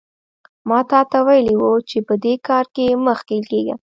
ما تاته ویلي وو چې په دې کار کې مه ښکېل کېږه.